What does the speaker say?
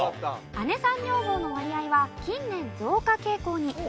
姉さん女房の割合は近年増加傾向に。